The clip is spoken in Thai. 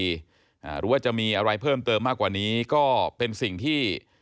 หรือว่าจะมีอะไรเพิ่มเติมมากกว่านี้ก็เป็นสิ่งที่